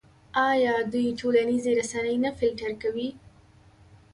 آیا دوی ټولنیزې رسنۍ نه فلټر کوي؟